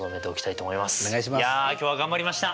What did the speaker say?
いや今日は頑張りました！